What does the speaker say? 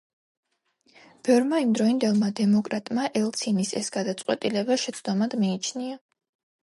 ბევრმა იმდროინდელმა დემოკრატმა ელცინის ეს გადაწყვეტილება შეცდომად მიიჩნია.